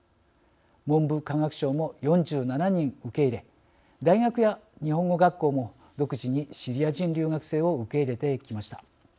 文部科学省も４７人受け入れ大学や日本語学校も独自にシリア人留学生を受け入れてきました。